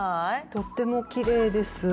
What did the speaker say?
とってもきれいです。